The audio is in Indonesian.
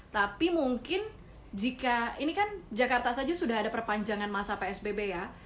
tapi mungkin jika ini kan jakarta saja sudah ada perpanjangan masa psbb ya